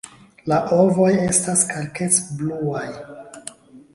La ovoj estas kalkec-bluaj.